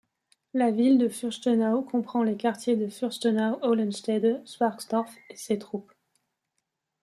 La ville de Fürstenau comprend les quartiers de Fürstenau, Hollenstede, Schwagstorf et Settrup.